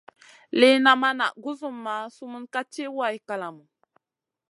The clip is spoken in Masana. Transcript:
Lìna ma na guzumah sumun ka ci way kalamu.